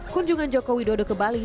kunjungan jokowi dodo ke bali